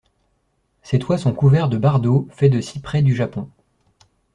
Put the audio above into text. Ses toits sont couverts de bardeaux faits de cyprès du Japon.